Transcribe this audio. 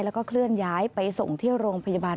แล้วก็เคลื่อนย้ายไปส่งที่โรงพยาบาล